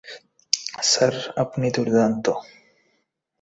Sir, আপনি দুর্দান্ত!